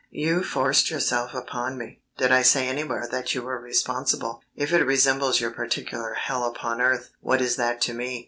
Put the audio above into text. "You forced yourself upon me. Did I say anywhere that you were responsible? If it resembles your particular hell upon earth, what is that to me?